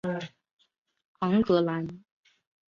昂格莱。